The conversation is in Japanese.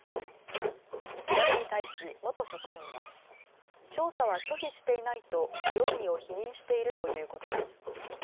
調べに対し元職員は調査は拒否していないと容疑を否認しているということです。